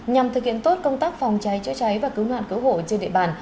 nhằm thực hiện tốt công tác phòng cháy chữa cháy và cứu nạn cứu hộ trên địa bàn